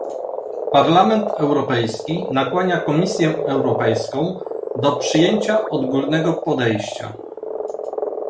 Parlament Europejski nakłania Komisję Europejską do przyjęcia odgórnego podejścia